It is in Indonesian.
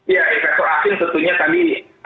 iya efektor akhir tentunya tadi